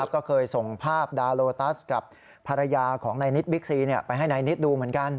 ก็เคยส่งภาพดาโลตัสกับภรรยาของนายนิดบิ๊กซีไปให้นายนิดดูเหมือนกัน